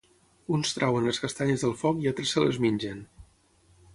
Uns treuen les castanyes del foc i altres se les mengen.